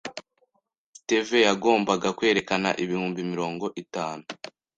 Steve yagombaga kwerekana ibihumbi mirongo itanu